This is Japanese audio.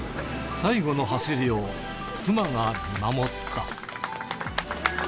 最後の走りを妻が見守った。